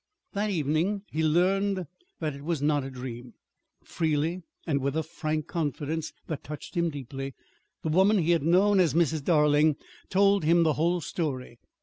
That evening he learned that it was not a dream. Freely, and with a frank confidence that touched him deeply, the woman he had known as Mrs. Darling told him the whole story.